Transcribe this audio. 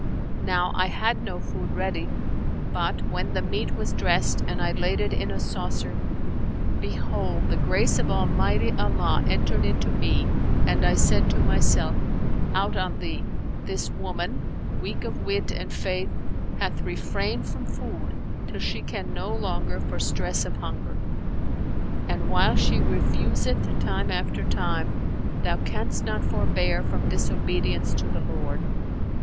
Now I had no food ready; but, when the meat was dressed and I laid it in a saucer, behold, the grace of Almighty Allah entered into me and I said to myself, 'Out on thee! This woman, weak of wit and faith, hath refrained from food till she can no longer, for stress of hunger; and, while she refuseth time after time, thou canst not forbear from disobedience to the Lord!'